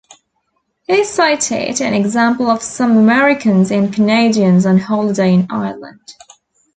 He cited an example of some Americans and Canadians on holiday in Ireland.